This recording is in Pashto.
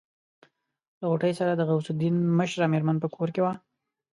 له غوټۍ سره د غوث الدين مشره مېرمن په کور کې وه.